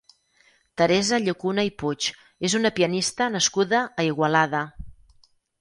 Teresa Llacuna i Puig és una pianista nascuda a Igualada.